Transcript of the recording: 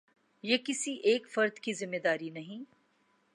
یہ کسی ایک فرد کی ذمہ داری نہیں۔